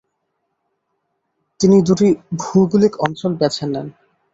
তিনি দুটি ভৌগোলিক অঞ্চল বেছে নেন।